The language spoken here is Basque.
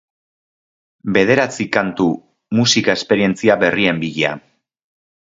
Bederatzi kantu, musika esperientzia berrien bila.